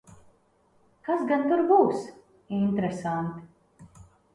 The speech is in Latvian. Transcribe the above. Kas gan tur būs? Interesanti.